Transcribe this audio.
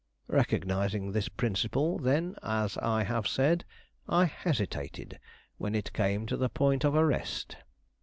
Recognizing this principle, then, as I have said, I hesitated when it came to the point of arrest.